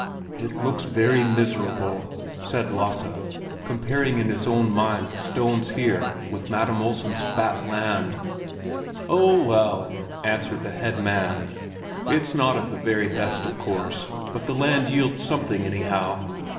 "It looks very miserable," said Lasse, comparing in his own mind the stones here with Madam Olsen's fat land. "Oh, well," answered the head man, "it's not of the very best, of course; but the land yields something, anyhow."